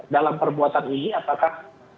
dalam perbuatan ini apakah